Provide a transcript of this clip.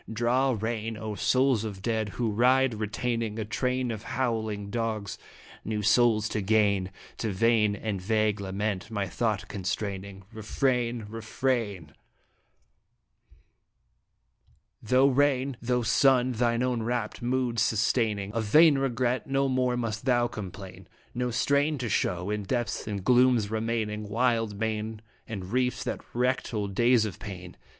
Draw rein, O souls of dead! who ride (retaining A train of howling dogs) new souls to gain. To vain and vague lament my thought constraining. Refrain ! Refrain ! Dramatic in illg EDsstinB. 113 Though rain, though sun thine own rapt mood sustain ing Of vain regret, no more must thou complain, Nor strain to show, in depths and glooms remaining, Wild main and reefs that wrecked, old days of pain.